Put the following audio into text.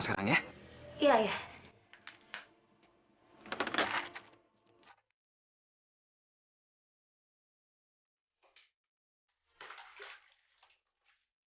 pokoknya udah hari ini damitin